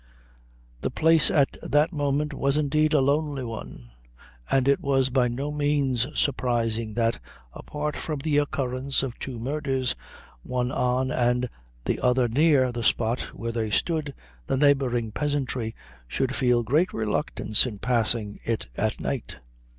The place at that moment was, indeed, a lonely one, and it was by no means surprising that, apart from the occurrence of two murders, one on, and the other near, the spot where they stood, the neighboring peasantry should feel great reluctance in passing it at night.